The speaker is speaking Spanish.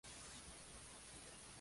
Godot soporta múltiples plataformas.